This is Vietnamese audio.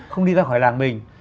không đi ra khỏi làng mình